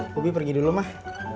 bubi pergi dulu mah